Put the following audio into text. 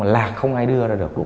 lạc không ai đưa ra được